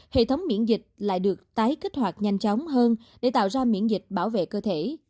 hệ thống miễn dịch lại được tái kích hoạt nhanh chóng hơn để tạo ra miễn dịch bảo vệ cơ thể